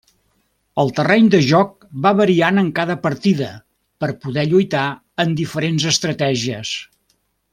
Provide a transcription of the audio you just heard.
El terreny de joc va variant en cada partida per poder lluitar amb diferents estratègies.